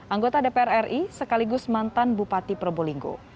anggota dpr ri sekaligus mantan bupati probolinggo